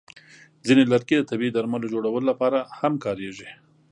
ځینې لرګي د طبیعي درملو جوړولو لپاره هم کارېږي.